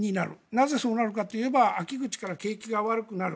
なぜそうなるかといえば秋口から景気が悪くなる。